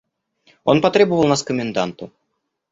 Он потребовал нас к коменданту.